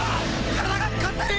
体が勝手に。